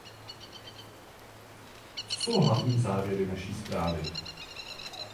Co jsou hlavní závěry naší zprávy?